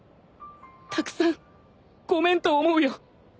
たくさんごめんと思うよ